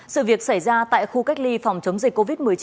sự việc xảy ra tại khu cách ly phòng chống dịch covid một mươi chín